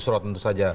pak busro tentu saja